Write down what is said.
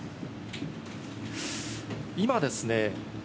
今ですね。